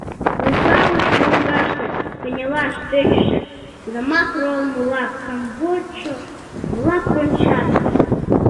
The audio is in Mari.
Тулсавыш лоҥгаште кынелаш тӧчышӧ, тунамак руалмыла камвочшо-влак кончат.